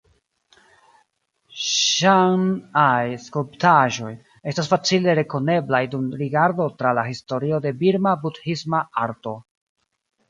Ŝan-aj skulptaĵoj estas facile rekoneblaj dum rigardo tra la historio de Birma budhisma arto.